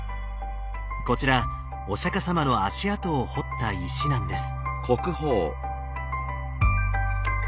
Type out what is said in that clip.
こちらお釈様の足跡を彫った石なんです。